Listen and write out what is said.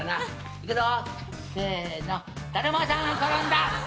いくぞ。